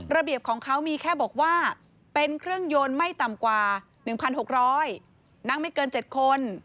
ระเบียบของเขามีแค่บอกว่าเป็นเครื่องยนต์ไม่ต่ำกว่า๑๖๐๐นั่งไม่เกิน๗คน